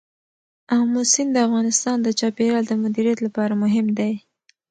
آمو سیند د افغانستان د چاپیریال د مدیریت لپاره مهم دی.